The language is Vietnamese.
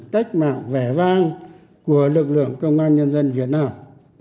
cách mạng vẻ vang của lực lượng công an nhân dân việt nam